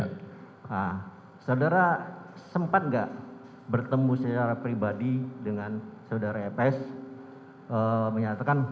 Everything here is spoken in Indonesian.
nah saudara sempat nggak bertemu secara pribadi dengan saudara eps menyatakan